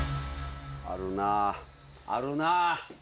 あるなあるな。